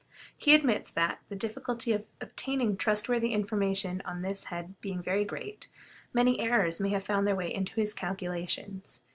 He admits that, the difficulty of obtaining trustworthy information on this head being very great, many errors may have found their way into his calculations.